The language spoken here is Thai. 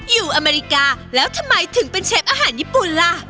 อเมริกาแล้วทำไมถึงเป็นเชฟอาหารญี่ปุ่นล่ะ